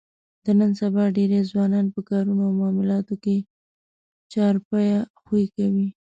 د نن سبا ډېری ځوانان په کارونو او معاملاتو کې چارپایه خوی کوي.